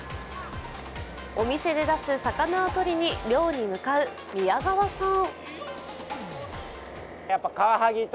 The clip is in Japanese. お店で出す魚をとりに漁に向かう宮川さん。